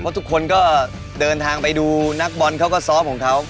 เพราะทุกคนก็เดินทางไปดูนักบอลเขาก็ซ้อมของเขา